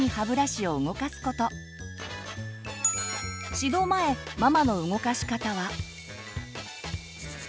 指導前ママの動かし方は。